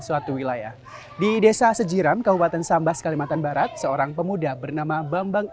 suatu wilayah di desa sejiram kabupaten sambas kalimantan barat seorang pemuda bernama bambang